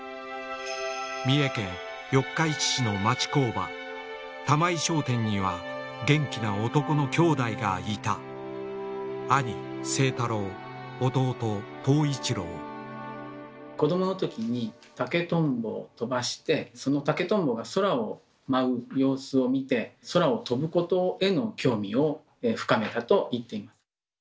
三重県四日市市の町工場「玉井商店」には元気な男の兄弟がいた子どものときにその竹とんぼが空を舞う様子を見て空を飛ぶことへの興味を深めたと言っています。